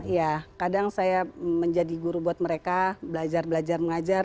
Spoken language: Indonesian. ya kadang saya menjadi guru buat mereka belajar belajar mengajar